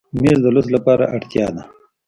مېز د لوست لپاره اړتیا ده.